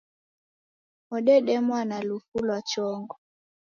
Wodedemwa na lufu lwa chongo.